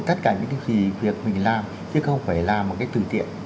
tất cả những cái việc mình làm chứ không phải làm một cái từ tiện